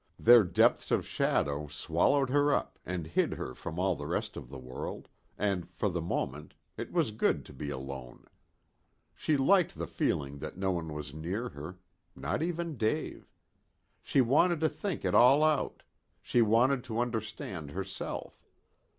Their depth of shadow swallowed her up and hid her from all the rest of the world, and, for the moment, it was good to be alone. She liked the feeling that no one was near her not even Dave. She wanted to think it all out. She wanted to understand herself.